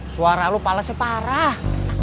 suara lo palesnya parah